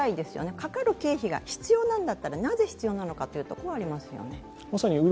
かかる経費が必要だったらなぜ必要なのかというところはありますよね。